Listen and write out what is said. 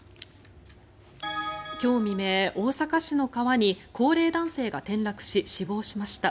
今日未明、大阪市の川に高齢男性が転落し死亡しました。